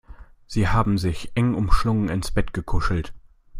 Sie haben sich eng umschlungen ins Bett gekuschelt.